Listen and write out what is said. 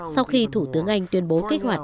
sau khi thủ tướng anh tuyên bố kế hoạch